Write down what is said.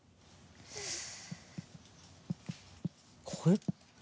これ。